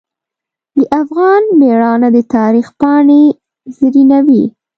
د افغان میړانه د تاریخ پاڼې زرینوي.